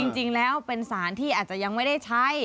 จริงแล้วเป็นสารที่อาจจะยังไม่ได้ใช้